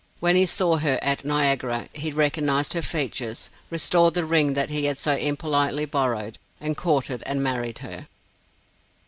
When he saw her at Niagara he recognized her features, restored the ring that he had so impolitely borrowed, and courted and married her.